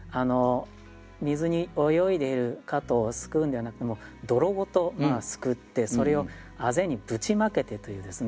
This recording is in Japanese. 水に泳いでいる蝌蚪をすくうんではなくてもう泥ごとすくってそれを畦にぶちまけてというですね